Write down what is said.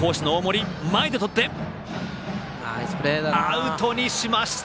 アウトにしました。